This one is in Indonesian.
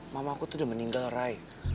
mamaku tuh udah meninggal rai